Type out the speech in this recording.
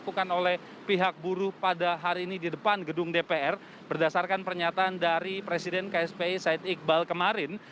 yang dilakukan oleh pihak buruh pada hari ini di depan gedung dpr berdasarkan pernyataan dari presiden kspi said iqbal kemarin